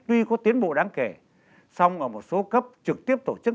tuy có tiến bộ đáng kể song ở một số cấp trực tiếp tổ chức